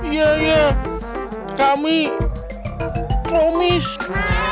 ya udah pak